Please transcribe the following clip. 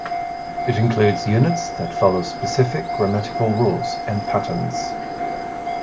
It includes units that follow specific grammatical rules and patterns.